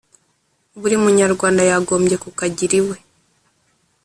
buri munyarwanda yagombye kukagira iwe.